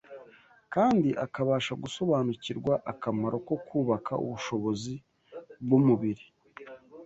kandi akabasha gusobanukirwa akamaro ko kubaka ubushobozi bw’umubiri,